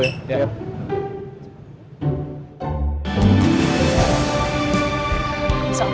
iya sama mirna tetap